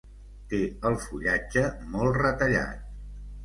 Té el fullatge molt retallat.